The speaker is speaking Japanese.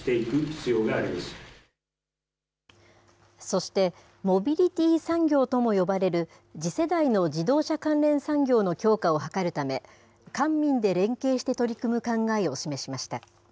そして、モビリティ産業とも呼ばれる次世代の自動車関連産業の強化を図るため、官民で連携して取り組む考えを示しました。